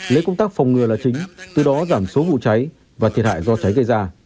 lấy công tác phòng ngừa là chính từ đó giảm số vụ cháy và thiệt hại do cháy gây ra